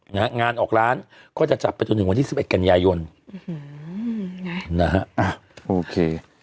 งานออกร้านก็จะจับไปจนถึงวันที่สิบเอ็ดกันยายนอืมไงนะฮะอ่ะโอเค